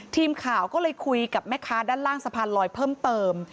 ทีมข่าวก็เลยคุยกับแม่ค้าด้านล่างสะพานลอยเพิ่มเติม